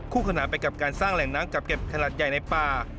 ขนาไปกับการสร้างแหล่งน้ำจับเก็บขนาดใหญ่ในป่า